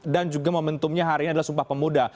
dan juga momentumnya hari ini adalah sumpah pemuda